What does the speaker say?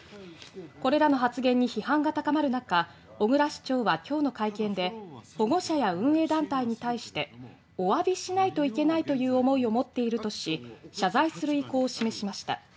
これらの発言に批判が高まる中小椋市長は今日の会見で保護者や運営団体に対しておわびしないといけないという思いを持っているとし謝罪する意向を示しました。